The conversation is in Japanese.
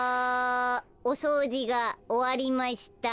おそうじがおわりました。